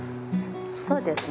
そうですね